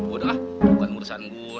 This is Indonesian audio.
udah lah bukan urusan gua